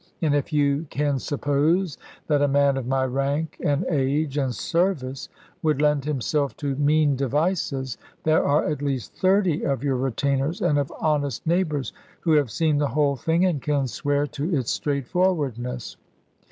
And if you can suppose that a man of my rank and age and service would lend himself to mean devices, there are at least thirty of your retainers, and of honest neighbours, who have seen the whole thing and can swear to its straightforwardness.